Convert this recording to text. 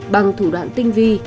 bằng thủ đoạn tinh vi